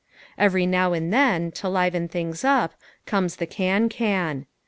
Every now and then, to liven things up, comes the can can.